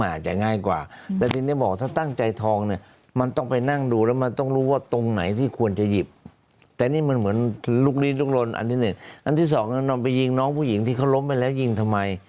อันที่สองคือพี่ยิงน้องผู้หญิงที่เขาร้มไปแล้วยิงทำไม